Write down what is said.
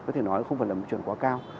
có thể nói không phải là một chuẩn quá cao